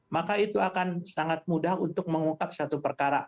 maka itu akan sangat mudah untuk mengungkap satu perkara